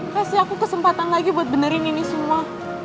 pasti aku kesempatan lagi buat benerin ini semua